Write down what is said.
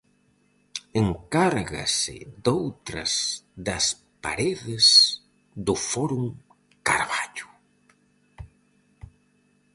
Encárgase doutras das paredes do Fórum Carballo.